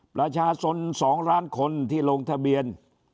ประชาชน๒ล้านคนที่ลงทะเบียน